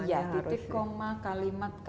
iya titik koma kalimat